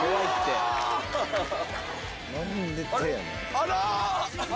あら？